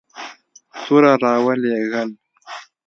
توره را ولېږل.